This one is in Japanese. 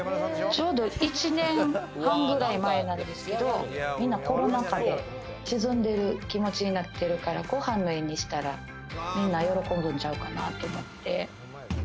ちょうど１年半くらい前なんですけれど、みんなコロナ禍で沈んでいる気持ちになっているから、ご飯の絵にしたら、みんな喜ぶんちゃうかなと思って。